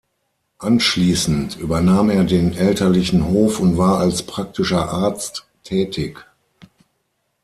Anschließend übernahm er den elterlichen Hof und war als praktischer Arzt tätig.